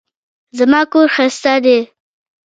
زما کور ښايسته دی